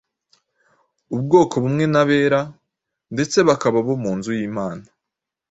ubwoko bumwe n’abera, ndetse bakaba abo mu nzu y’Imana.”